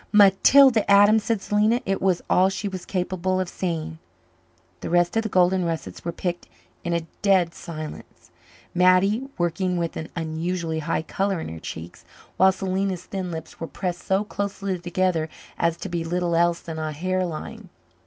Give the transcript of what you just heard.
"Matilda Adams!" said Selena. It was all she was capable of saying. The rest of the golden russets were picked in a dead silence, Mattie working with an unusually high colour in her cheeks, while Selena's thin lips were pressed so closely together as to be little else than a hair line.